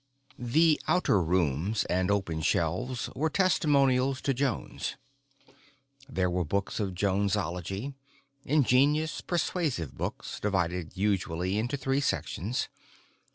The outer rooms and open shelves were testimonials to Jones. There were books of Jonesology—ingenious, persuasive books divided usually into three sections.